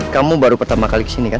kamu baru pertama kali kesini kan